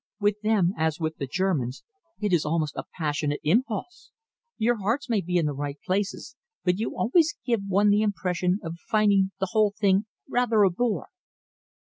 With them, as with the Germans, it is almost a passionate impulse. Your hearts may be in the right places, but you always give one the impression of finding the whole thing rather a bore."